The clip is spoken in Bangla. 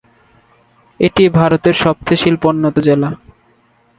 এটি ভারতের সবচেয়ে শিল্পোন্নত জেলা।